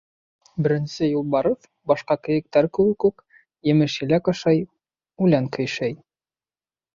Беренсе Юлбарыҫ, башҡа кейектәр кеүек үк, емеш-еләк ашай, үлән көйшәй.